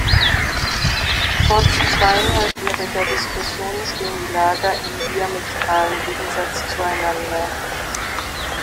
Trotz zweieinhalbjähriger Diskussionen stehen die Lager im diametralen Gegensatz zueinander.